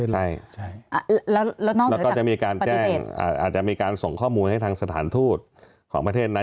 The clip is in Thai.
แล้วก็จะมีการแจ้งอาจจะมีการส่งข้อมูลให้ทางสถานทูตของประเทศนั้น